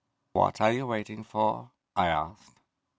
"What are you waiting for?" I asked.